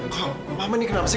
kau mama ini kenapa sih